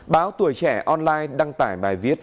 báo tuổi trẻ online đăng tải bài viết